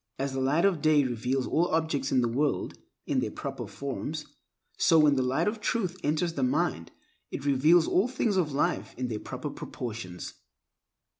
As the light of day reveals all objects in the world in their proper forms, so when the Light of Truth enters the mind it reveals all the things of life in their proper proportions.